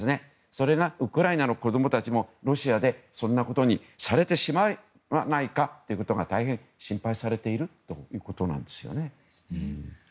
それがウクライナの子供たちもロシアで、そんなことにされてしまわないかということが大変、心配されているということなんですね。